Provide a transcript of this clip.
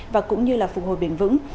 và cũng như là phục hồi bền vững